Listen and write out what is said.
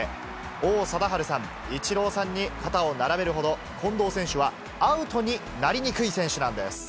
王貞治さん、イチローさんに肩を並べるほど、近藤選手はアウトになりにくい選手なんです。